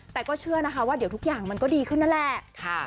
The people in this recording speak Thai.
แต่ก็เชื่อนะคะว่าเดี๋ยวทุกอย่างมันก็ดีขึ้นนั่นแหละ